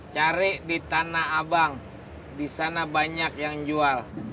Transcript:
cari di tanah abang disana banyak yang jual